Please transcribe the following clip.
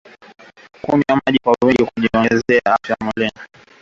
Kunywa maji yenye vimelea vya ugonjwa wa kutupa mimba hueneza ugonjwa kwa ngombe